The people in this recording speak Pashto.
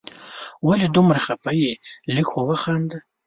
ولي دومره خفه یې ؟ لږ خو وخانده